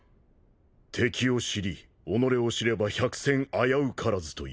敵を知り己を知れば百戦あやうからずという。